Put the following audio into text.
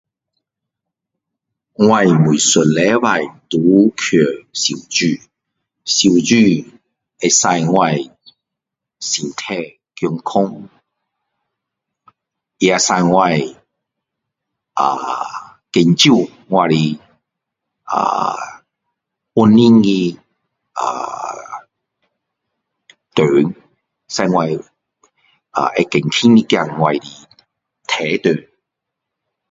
我每一个星期都有去游泳游泳可使我身体健康也使我呃减轻呃我身体的中会减轻一点我的体重